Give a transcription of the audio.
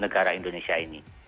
negara indonesia ini